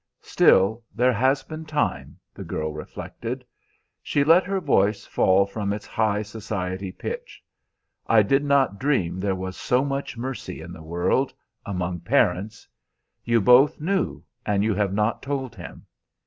"Still, there has been time," the girl reflected. She let her voice fall from its high society pitch. "I did not dream there was so much mercy in the world among parents! You both knew, and you have not told him.